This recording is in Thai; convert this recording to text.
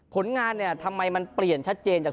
ผลงานเนี่ยทำไมมันเปลี่ยนชัดเจนจาก